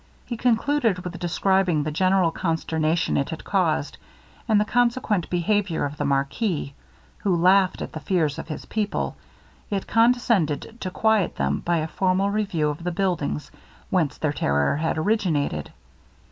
He concluded with describing the general consternation it had caused, and the consequent behaviour of the marquis, who laughed at the fears of his people, yet condescended to quiet them by a formal review of the buildings whence their terror had originated.